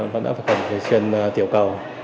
và đã phải khẩn truyền tiểu cầu